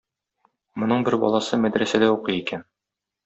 Моның бер баласы мәдрәсәдә укый икән.